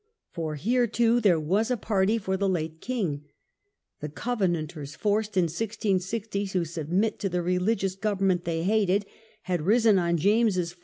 For here, too, there was a party for the late king. The Covenanters, forced in 1660 to submit to the religious The Scottish government they hated, had risen on James's rising.